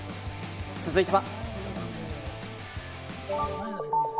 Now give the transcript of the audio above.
続いては。